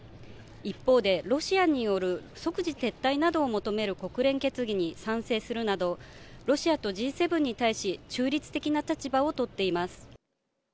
一方でロシアによる即時撤退などを求める国連決議に賛成するなど、ロシアとＧ７に対し、中立的な立場を取っています。